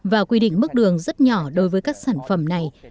và quy định mức đường rất nhỏ đối với các sản phẩm này